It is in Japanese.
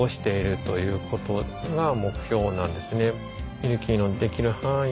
ミルキーのできる範囲